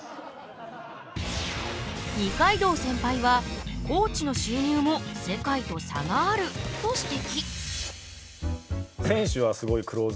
二階堂センパイはコーチの収入も世界と差があると指摘。